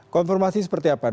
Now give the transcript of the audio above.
konfirmasi seperti apa